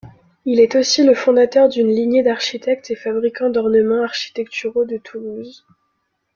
Il est aussi le fondateur d'une lignée d'architectes et fabricants d'ornements architecturaux de Toulouse.